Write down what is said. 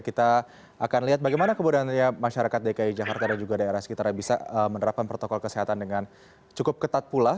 kita akan lihat bagaimana kebudayaannya masyarakat dki jakarta dan juga daerah sekitarnya bisa menerapkan protokol kesehatan dengan cukup ketat pula